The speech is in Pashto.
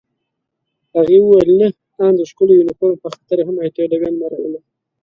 هغې وویل: نه، آن د ښکلي یونیفورم په خاطر هم ایټالویان مه راوله.